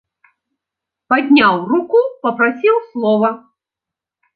Падняў руку, папрасіў слова.